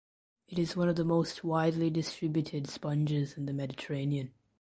It is one of the most widely distributed sponges in the Mediterranean.